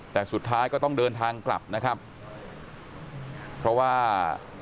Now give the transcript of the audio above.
แต่สุดท้ายก็ต้องเดินทางกลับนะครับเพราะว่า